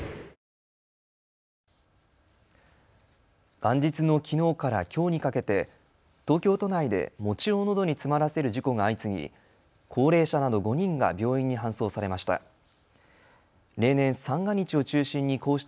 元日のきのうからきょうにかけて東京都内で餅をのどに詰まらせる事故が相次ぎ高齢者など５人が病院に搬送されました。